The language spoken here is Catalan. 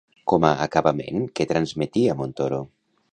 Com a acabament, què transmetia Montoro?